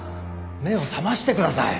目を覚ましてください。